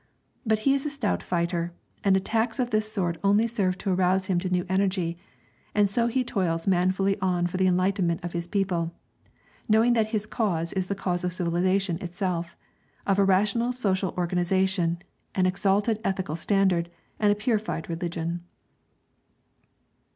But he is a stout fighter, and attacks of this sort only serve to arouse him to new energy. And so he toils manfully on for the enlightenment of his people, knowing that his cause is the cause of civilization itself of a rational social organization, an exalted ethical standard, and a purified religion.